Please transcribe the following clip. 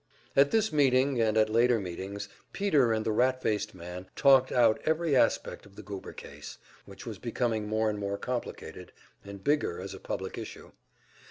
At this meeting, and at later meetings, Peter and the rat faced man talked out every aspect of the Goober case, which was becoming more and more complicated, and bigger as a public issue.